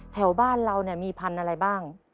แถวบ้านเรามีพันธุ์อะไรบ้าง